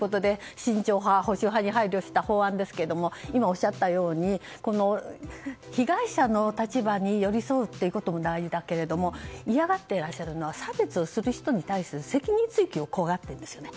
慎重派、保守派に配慮した法案ですが今、おっしゃったように被害者の立場に寄り添うことも大事だけれども嫌がっていらっしゃるのは差別に対する責任追及を怖がっていますよね。